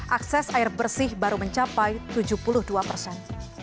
akses air bersih baru mencapai tujuh puluh dua persen